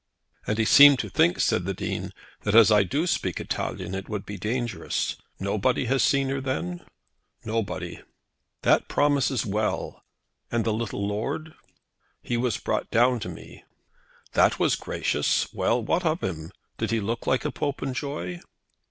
"And he seemed to think," said the Dean, "that as I do speak Italian it would be dangerous. Nobody has seen her then?" "Nobody." "That promises well! And the little lord?" "He was brought down to me." "That was gracious! Well; what of him. Did he look like a Popenjoy?"